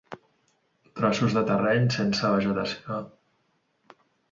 Trossos de terreny sense vegetació.